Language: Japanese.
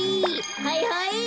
はいはい。